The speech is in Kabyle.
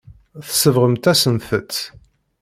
Tsebɣemt-asent-tt.